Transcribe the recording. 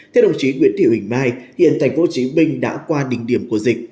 theo đồng chí nguyễn thị huỳnh mai hiện tp hcm đã qua đỉnh điểm của dịch